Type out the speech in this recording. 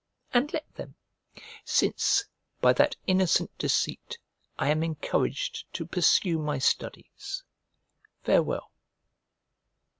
And let them; since, by that innocent deceit, I am encouraged to pursue my studies. Farewell.